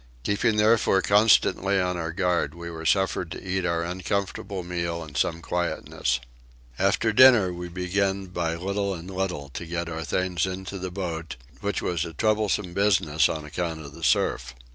Keeping therefore constantly on our guard we were suffered to eat our uncomfortable meal in some quietness. After dinner we began by little and little to get our things into the boat, which was a troublesome business on account of the surf.